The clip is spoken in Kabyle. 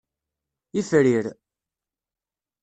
Ifrir.